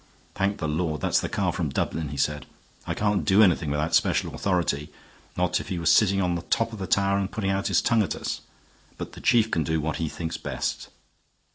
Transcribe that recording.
"Thank the Lord that's the car from Dublin," he said. "I can't do anything without special authority, not if he were sitting on the top of the tower and putting out his tongue at us. But the chief can do what he thinks best."